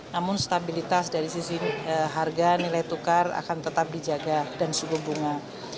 namun stabilitas dari sisi harga nilai tukar akan tetap dijaga dan suku bunga